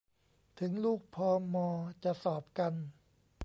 ถึงลูกพอมอจะสอบกัน